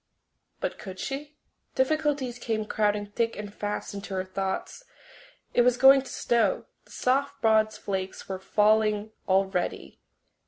But could she? Difficulties came crowding thick and fast into her thoughts. It was going to snow; the soft broad flakes were falling already.